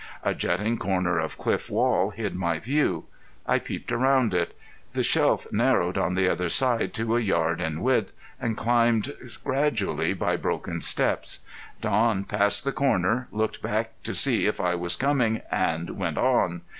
A jutting corner of cliff wall hid my view. I peeped around it. The shelf narrowed on the other side to a yard in width, and climbed gradually by broken steps. Don passed the corner, looked back to see if I was coming and went on.